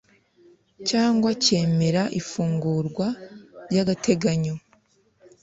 cyangwa cyemera ifungurwa ry agateganyo